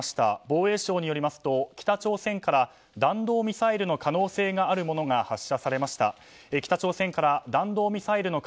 防衛省によりますと北朝鮮から弾道ミサイルの可能性があるものが発射されました。